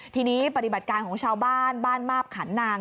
ทีนี้ปฏิบัติการของชาวบ้านบ้านมาบขันนาง